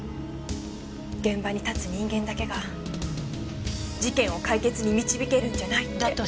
現場に立つ人間だけが事件を解決に導けるんじゃないって。